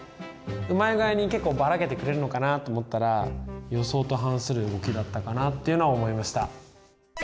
うまい具合に結構ばらけてくれるのかなと思ったら予想と反する動きだったかなっていうのは思いました。